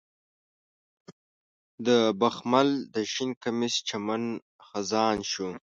د بخمل د شین کمیس چمن خزان شو